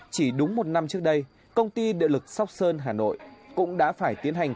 chỉ đúng một năm trước đây công ty điện lực sóc sơn hà nội cũng đã phải tiến hành